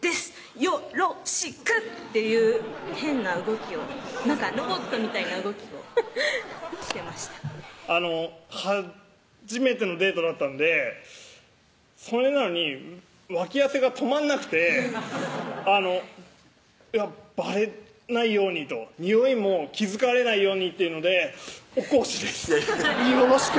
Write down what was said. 「よ・ろ・し・く！」っていう変な動きをなんかロボットみたいな動きをしてました初めてのデートだったんでそれなのに脇汗が止まんなくてあのばれないようにとにおいも気付かれないようにっていうので「小川内です！よろしく！」